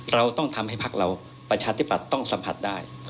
เราต้องทำให้พักเราประชาธิปัตย์ต้องสัมผัสได้